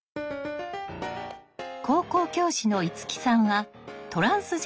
高校教師のいつきさんはトランスジェンダー。